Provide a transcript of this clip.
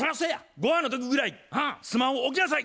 「御飯の時ぐらいスマホ置きなさい！」。